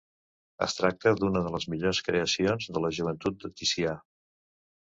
Es tracta d'una de les millors creacions de la joventut de Ticià.